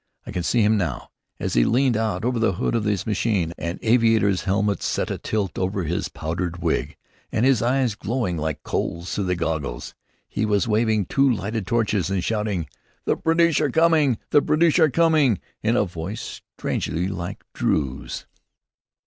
I can see him now, as he leaned far out over the hood of his machine, an aviator's helmet set atilt over his powdered wig, and his eyes glowing like coals through his goggles. He was waving two lighted torches and shouting, "The British are coming! The British are coming!" in a voice strangely like Drew's.